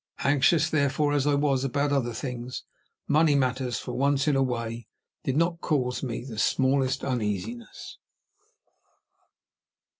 Anxious, therefore, as I was about other things, money matters, for once in a way, did not cause me the smallest uneasiness.